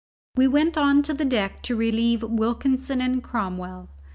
We went on deck to relieve Wilkinson and Cromwell.